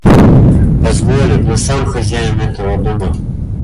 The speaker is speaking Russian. Позволит. Я сам хозяин этого дома.